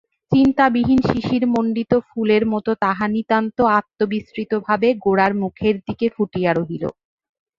চিন্তাবিহীন শিশিরমণ্ডিত ফুলের মতো তাহা নিতান্ত আত্মবিস্মৃতভাবে গোরার মুখের দিকে ফুটিয়া রহিল।